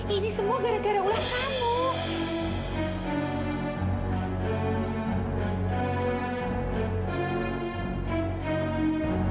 ini semua gara gara ulah kamu